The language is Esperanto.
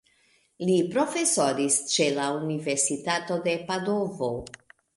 Li profesoris ĉe la universitato de Padovo.